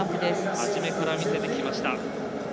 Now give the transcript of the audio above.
はじめから見せてきました。